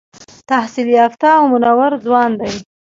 تحصیل یافته او منور ځوان دی.